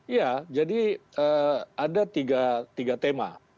iya jadi ada tiga tema